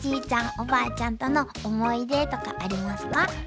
おばあちゃんとの思い出とかありますか？